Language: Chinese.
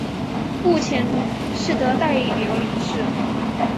目前是的代表理事。